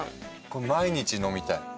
これ毎日飲みたい。